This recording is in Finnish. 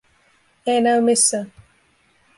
Ei näy missään.